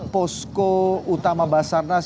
posko utama basarnas